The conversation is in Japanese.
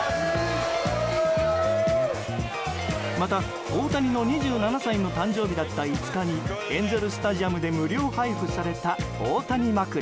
また、大谷の２７歳の誕生日だった５日にエンゼル・スタジアムで無料配布された大谷枕。